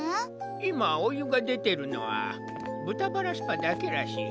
いまおゆがでてるのはぶたバラスパだけらしい。